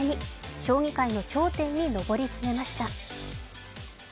将棋界の頂点に上り詰めました。